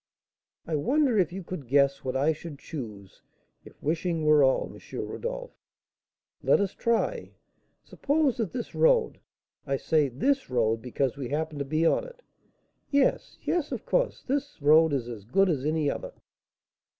"I wonder if you could guess what I should choose, if wishing were all, M. Rodolph." "Let us try. Suppose that this road I say this road, because we happen to be on it " "Yes, yes, of course; this road is as good as any other."